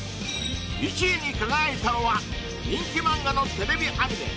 １位に輝いたのは人気漫画のＴＶアニメ